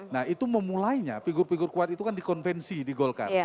nah itu memulainya figur figur kuat itu kan di konvensi di golkar